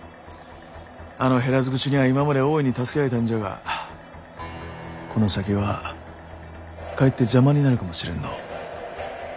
あの減らず口にゃ今まで大いに助けられたんじゃがこの先はかえって邪魔になるかもしれんのう。